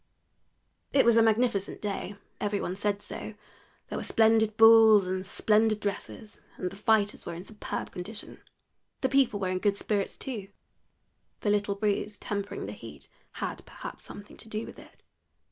It was a magnificent day every one said so; there were splendid bulls and splendid dresses, and the fighters were in superb condition. The people were in good spirits too the little breeze tempering the heat had, perhaps, something to do with it.